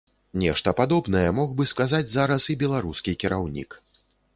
Нешта падобнае мог бы сказаць зараз і беларускі кіраўнік.